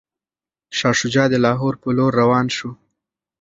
شاه شجاع د لاهور په لور روان شو.